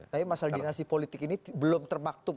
tapi masalah dinasi politik ini belum terbaktub